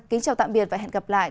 kính chào tạm biệt và hẹn gặp lại